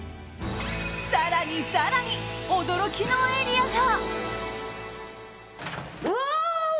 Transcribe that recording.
更に更に驚きのエリアが。